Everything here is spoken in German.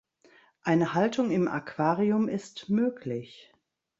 Eine Haltung im Aquarium ist möglich.